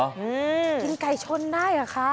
กินไก่ชนได้เหรอคะ